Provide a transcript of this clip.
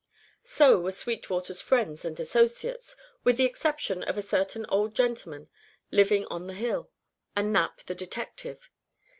So were Sweetwater's friends and associates with the exception of a certain old gentleman living on the hill, and Knapp the detective.